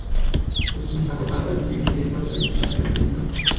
প্রতিদিন সাঁকো পারাপারের জন্য এটি দেখভালকারীদের চার টাকা করে দিতে হয়।